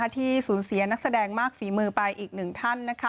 ที่สูญเสียนักแสดงมากฝีมือไปอีกหนึ่งท่าน